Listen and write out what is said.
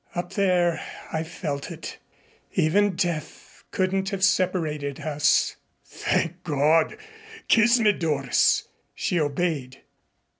Up there I felt it. Even death couldn't have separated us." "Thank God! Kiss me, Doris." She obeyed.